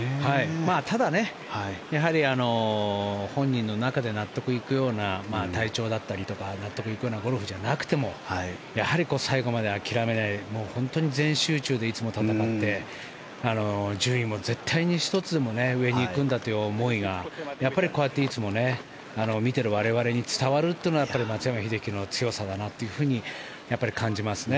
ただ、やはり本人の中で納得いくような体調だったりとか納得いくようなゴルフじゃなくても最後まで諦めないで本当に全集中でいつも戦って順位も絶対に１つでも上に行くんだという思いがこうやっていつも見ている我々に伝わるっていうのが松山英樹の強さだなと感じますね。